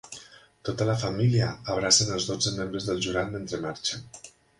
Tota la família abracen els dotze membres del jurat mentre marxen.